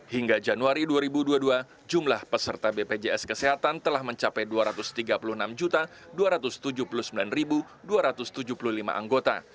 hingga januari dua ribu dua puluh dua jumlah peserta bpjs kesehatan telah mencapai dua ratus tiga puluh enam dua ratus tujuh puluh sembilan dua ratus tujuh puluh lima anggota